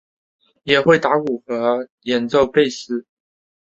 也会打鼓和演奏贝斯。